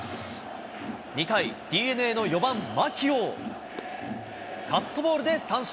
２回、ＤｅＮＡの４番牧を、カットボールで三振。